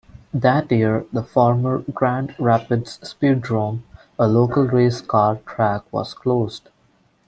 That year, the former Grand Rapids Speedrome, a local race car track was closed.